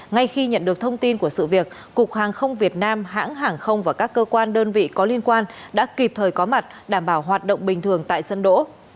ngay khi nhận được thông tin của sự việc cục hàng không việt nam hãng hàng không và các cơ quan đơn vị có liên quan đã kịp thời có mặt đảm bảo hoạt động bình thường tại sân đỗ